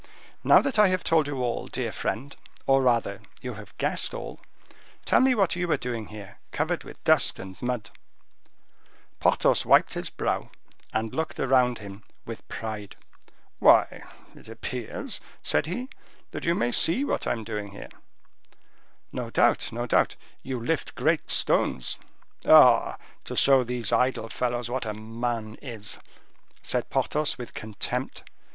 "Now that I have told you all, dear friend, or rather you have guessed all, tell me what you are doing here, covered with dust and mud?" Porthos wiped his brow, and looked around him with pride. "Why, it appears," said he, "that you may see what I am doing here." "No doubt, no doubt, you lift great stones." "Oh! to show these idle fellows what a man is," said Porthos, with contempt.